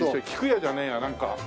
「きくや」じゃねえやなんか。